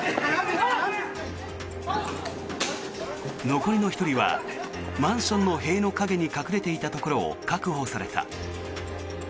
残りの１人はマンションの塀の陰に隠れていたところを確保された。